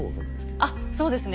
あっそうですね